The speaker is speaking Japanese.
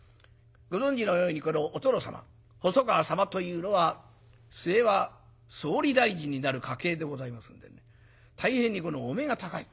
ご存じのようにこのお殿様細川様というのは末は総理大臣になる家系でございますんでね大変にお目が高い。